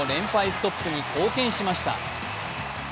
ストップに貢献しました。